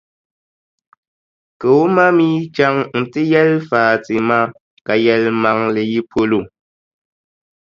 Ka o ma mi chaŋ nti yɛli Fati ma ka yɛlimaŋli yi polo.